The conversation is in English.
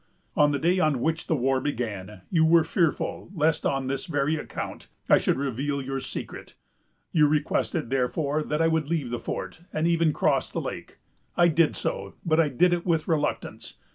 "On the day on which the war began, you were fearful lest, on this very account, I should reveal your secret. You requested, therefore, that I would leave the fort, and even cross the lake. I did so; but I did it with reluctance.